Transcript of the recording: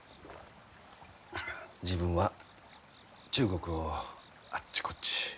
自分は中国をあっちこっち。